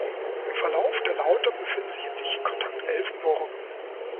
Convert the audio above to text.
Im Verlauf der Lauter befinden sich in Sichtkontakt elf Burgen.